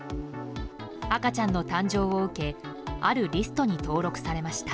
赤ちゃんの誕生を受けあるリストに登録されました。